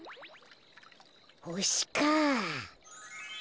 ほしかあ。